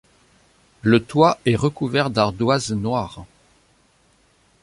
Le toit est recouvert d’ardoises noires.